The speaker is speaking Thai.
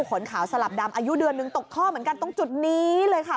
ขนขาวสลับดำอายุเดือนหนึ่งตกท่อเหมือนกันตรงจุดนี้เลยค่ะ